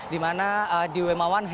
dimana di wm satu